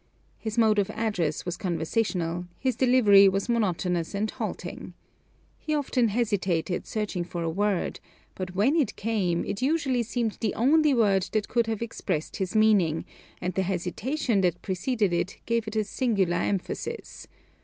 His mode of address was conversational; his delivery was monotonous and halting. He often hesitated, searching for a word; but when it came, it usually seemed the only word that could have expressed his meaning, and the hesitation that preceded it gave it a singular emphasis.